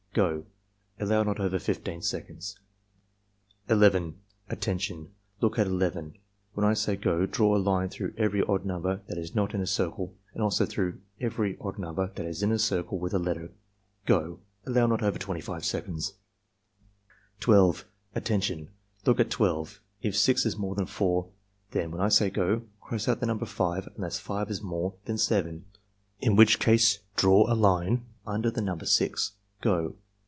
— Go!" (Allow not over 15 seconds.) 11. "Attention! Look at 11. When I say 'go' draw a line through every odd number that is not in a circle and also through every odd number that is in a circle with a letter. — Go!" (Allow not over 25 seconds.) 12. "Attention! Look at 12. If 6 is more than 4, then (when I say 'go') cross out the number 5 unless 5 is more than 58 ARMY MENTAL TESTS 7, in which case draw a line under the number 6. — Go!